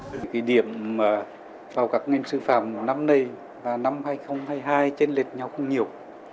cái điểm vào các ngành sư phạm năm nay và năm hai nghìn hai mươi hai trên lệch nhau không nhiều